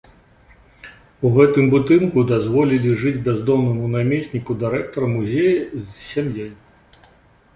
У гэтым будынку дазволілі жыць бяздомнаму намесніку дырэктара музея з сям'ёй.